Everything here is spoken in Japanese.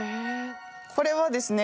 これはですね